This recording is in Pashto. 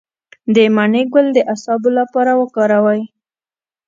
د مڼې ګل د اعصابو لپاره وکاروئ